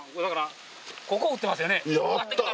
やった！